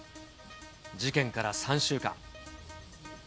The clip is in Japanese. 事件から３週間。